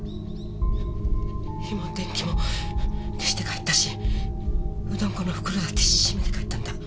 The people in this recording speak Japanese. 火も電気も消して帰ったしうどん粉の袋だって閉めて帰ったんだ。